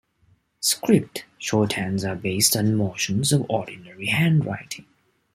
"Script" shorthands are based on the motions of ordinary handwriting.